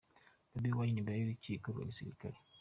Bobi Wine imbere y’Urukiko rwa gisirikare